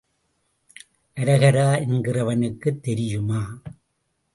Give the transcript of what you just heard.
அரகரா என்கிறவனுக்குத் தெரியுமா?